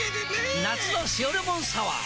夏の「塩レモンサワー」！